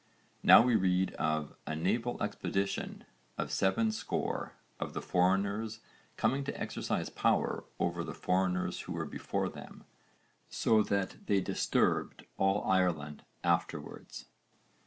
Now we read of 'a naval expedition of seven score of the Foreigners coming to exercise power over the Foreigners who were before them, so that they disturbed all Ireland afterwards.'